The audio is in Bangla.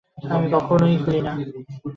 আমি কখনই খুলি না।